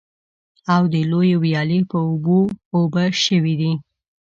او د لویې ويالې په اوبو اوبه شوي دي.